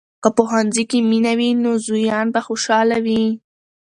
که په ښوونځي کې مینه وي، نو زویان به خوشحال وي.